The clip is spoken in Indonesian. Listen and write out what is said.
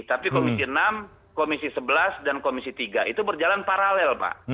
tapi komisi enam komisi sebelas dan komisi tiga itu berjalan paralel pak